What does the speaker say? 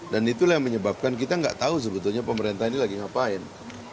dan itulah yang menyebabkan kita nggak tahu sebetulnya pemerintah ini lagi ngapain